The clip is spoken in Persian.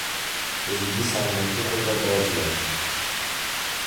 به زودی سلامتی خود را بازیافت.